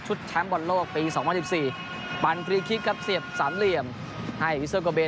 แชมป์บอลโลกปี๒๐๑๔ปันฟรีคิกครับเสียบสามเหลี่ยมให้วิเซอร์โกเบ